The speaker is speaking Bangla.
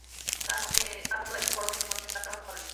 তাঁর মতো একজন বড়মাপের নির্মাতার সঙ্গে কাজ করে আমার খুব ভালো লেগেছে।